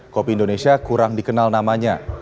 kopi indonesia kurang dikenal namanya